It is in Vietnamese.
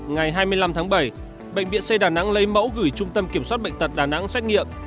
ngày hai mươi năm tháng bảy bệnh viện c đà nẵng lấy mẫu gửi trung tâm kiểm soát bệnh tật đà nẵng xét nghiệm